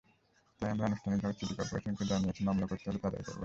তাই আমরা আনুষ্ঠানিকভাবে সিটি করপোরেশনকে জানিয়েছি, মামলা করতে হলে তারাই করবে।